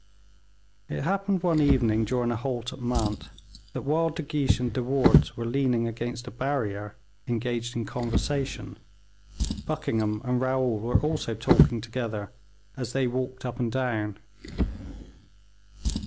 It happened one evening, during a halt at Mantes, that while De Guiche and De Wardes were leaning against a barrier, engaged in conversation, Buckingham and Raoul were also talking together as they walked up and down.